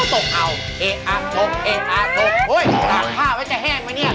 เอ๊อ้าวตกเอ๊อ้าวตกโอ๊ยหลังผ้าไว้จะแห้งไหมเนี่ย